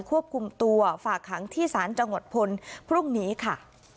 ควบคุมตัวฝากขังที่ศาลจังหวัดพลพรุ่งนี้ค่ะ